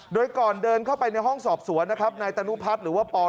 โดยก่อนเดินเข้าไปในห้องสอบสวนนะครับนายตนุพัฒน์หรือว่าปอ